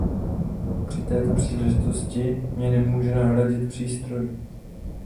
Při této příležitosti mě nemůže nahradit přístroj.